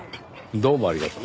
どうもありがとう。